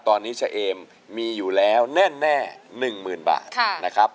ตอนนี้เฉยเอ็มมีอยู่แล้วแน่หนึ่งหมื่นบาทนะครับ